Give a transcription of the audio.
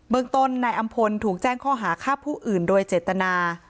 เบื้องต้นในอัมพลถูกแจ้งข้อหาข้าพผู้อื่นโดยเจตนา